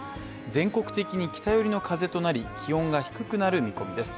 全国的に北寄りの風となり気温が低くなる見込みです。